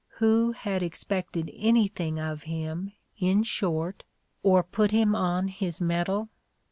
Who had expected anything of him, in short, or put him on his mettle